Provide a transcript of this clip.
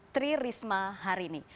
tri risma harini